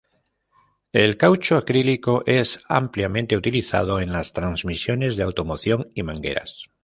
El caucho acrílico es ampliamente utilizado en las transmisiones de automoción y mangueras.